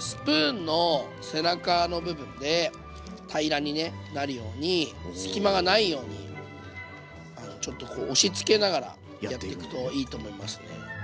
スプーンの背中の部分で平らにねなるように隙間がないようにちょっとこう押しつけながらやっていくといいと思いますね。